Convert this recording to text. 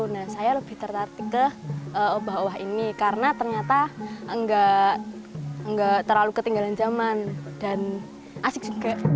nah saya lebih tertarik ke obah oba ini karena ternyata nggak terlalu ketinggalan zaman dan asik juga